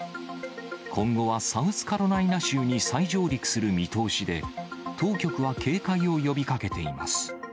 今後はサウスカロライナ州に再上陸する見通しで、当局は警戒を呼びかけています。